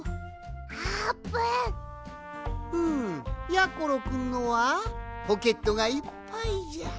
やころくんのはポケットがいっぱいじゃ。